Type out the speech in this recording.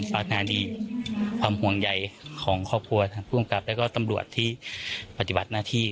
ประธานีความห่วงใยของครอบครัวและก็ตำรวจปฏิบัติหน้าที่